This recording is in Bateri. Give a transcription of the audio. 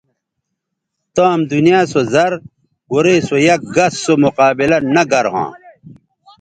تام دنیا سو زر گورئ سو یک گس سو مقابلہ نہ گر ھواں